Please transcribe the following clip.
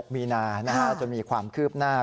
มีนาจนมีความคืบหน้า